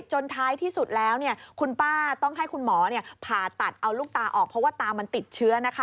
ท้ายที่สุดแล้วคุณป้าต้องให้คุณหมอผ่าตัดเอาลูกตาออกเพราะว่าตามันติดเชื้อนะคะ